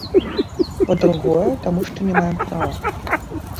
Па-другое, таму што не маем права.